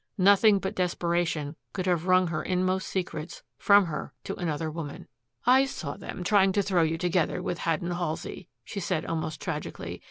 Nothing but desperation could have wrung her inmost secrets from her to another woman. "I saw them trying to throw you together with Haddon Halsey," she said, almost tragically.